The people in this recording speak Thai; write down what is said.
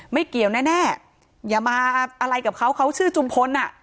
ไม่เกี่ยวแน่อย่ามาอะไรกับเขาเขาชื่อจุมพลอ่ะ